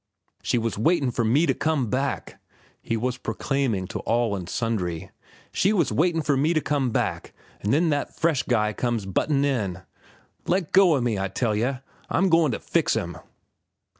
"She was waitin' for me to come back!" he was proclaiming to all and sundry. "She was waitin' for me to come back, an' then that fresh guy comes buttin' in. Let go o' me, I tell yeh. I'm goin' to fix 'm."